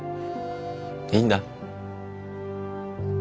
いいんだ。